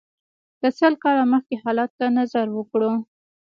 که سل کاله مخکې حالاتو ته نظر وکړو.